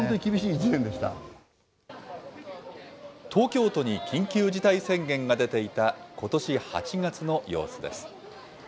東京都に緊急事態宣言が出ていたことし８月の様子です。